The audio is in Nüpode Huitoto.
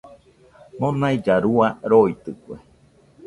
Monailla rua roitɨkue